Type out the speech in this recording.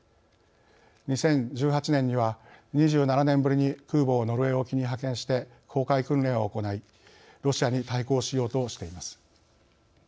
２０１８年には２７年ぶりに空母をノルウェー沖に派遣して航海訓練を行いロシアに対抗しようとしています。